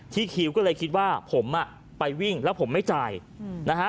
คิวก็เลยคิดว่าผมอ่ะไปวิ่งแล้วผมไม่จ่ายนะฮะ